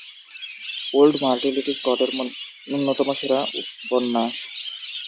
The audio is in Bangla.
ওল্ড মর্টিলিটি স্কটের অন্যতম সেরা উপন্যাস।